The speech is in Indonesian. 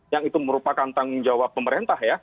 yang itu merupakan tanggung jawab pemerintah ya